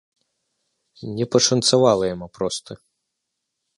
Не пашанцавала яму проста.